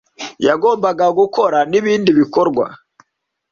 yagombaga gukora n’ibindi bikorwa